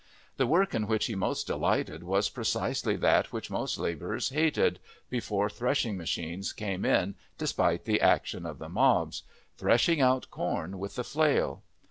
The work in which he most delighted was precisely that which most labourers hated, before threshing machines came in despite the action of the "mobs" threshing out corn with the flail.